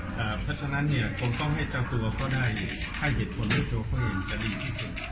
เพราะฉะนั้นเนี่ยผมต้องเจ้าตัวให้เหตุศนให้เจ้าตัวเองจะดีที่สุด